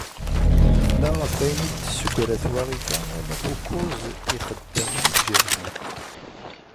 Ma ɣef wayen i d-tessegra twaɣit-a, ad naf ukuẓ n yixeddamen i ijerḥen.